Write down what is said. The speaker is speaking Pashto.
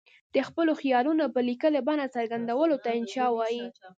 د خپلو خیالونو په لیکلې بڼه څرګندولو ته انشأ وايي.